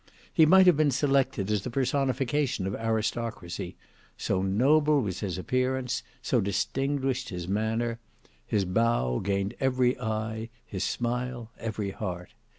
He might have been selected as the personification of aristocracy: so noble was his appearance, so distinguished his manner; his bow gained every eye, his smile every heart.